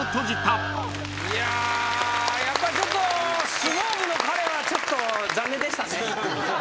いややっぱちょっと相撲部の彼はちょっと残念でしたね。